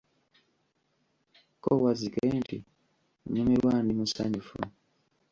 Ko Wazzike nti, nyumirwa ndi musanyufu.